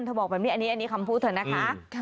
บอกแบบนี้อันนี้คำพูดเถอะนะคะ